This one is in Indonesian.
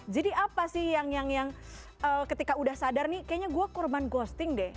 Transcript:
jadi apa sih yang ketika udah sadar nih kayaknya gue korban ghosting deh